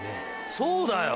そうだよ。